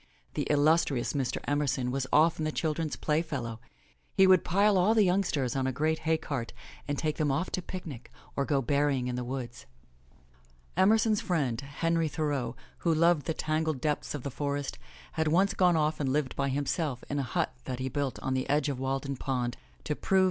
The illustrious Mr. Emerson was often the children's playfellow. He would pile all the youngsters on a great hay cart and take them off to picnic or go berrying in the woods. Emerson's friend, Henry Thoreau, who loved the tangled depths of the forests, had once gone off and lived by himself in a hut that he built on the edge of Walden Pond, to prove.